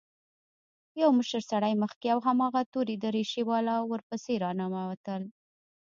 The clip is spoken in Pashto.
يو مشر سړى مخکې او هماغه تورې دريشۍ والا ورپسې راننوتل.